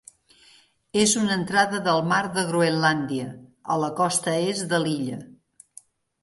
És una entrada del mar de Groenlàndia a la costa est de l'illa.